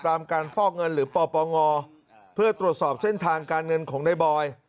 การฟอกเงินหรือปปงเพื่อตรวจสอบเส้นทางการเงินของในบอย